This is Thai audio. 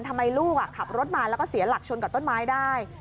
ทำไมลูกขับรถมาแล้วก็เสียหลักชนกับต้นไม้ได้